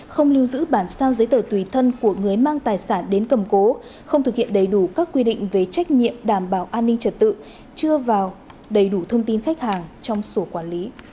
không lưu giữ bản sao giấy tờ tùy thân của người mang tài sản đến cầm cố không thực hiện đầy đủ các quy định về trách nhiệm đảm bảo an ninh trật tự chưa vào đầy đủ thông tin khách hàng trong sổ quản lý